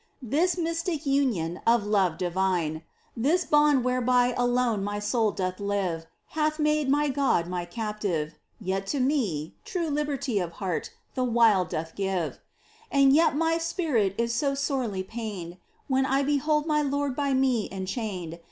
II This mystic union of love divine, This bond whereby alone my soul doth live, Hath made my God my Captive — yet to me True liberty of heart the while doth give. And yet my spirit is so sorely pained When I behold my Lord by me enchained.